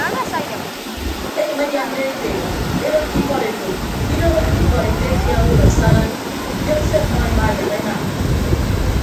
Enyʌñ edian do ete edọkkọ ikọd ekop ke idooho eyịn ikọd etefia owod asana ndion se ọmmọ ema yak enam.